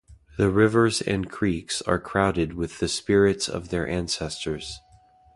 The rivers and creeks are crowded with the spirits of their ancestors.